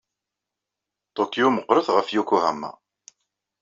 Tokyo meqqret ɣef Yokohama.